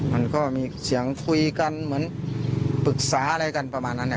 มันก็มีเสียงคุยกันเหมือนปรึกษาอะไรกันประมาณนั้น